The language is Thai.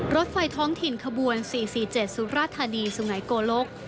รถไฟท้องถิ่นขบวน๔๔๗สุราธานีสุงัยโกลก